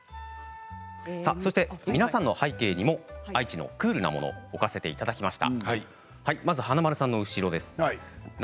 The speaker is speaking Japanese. そして皆さんの背景にも愛知のクールなものを置かせていただきました。